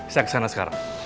saya kesana sekarang